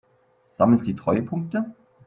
Sammeln Sie Treuepunkte?